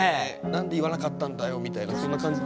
何で言わなかったんだよみたいなそんな感じ？